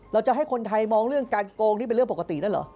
เราจะให้คนไทยมองเรื่องการโกงนี่เป็นเรื่องปกติแล้วเหรอ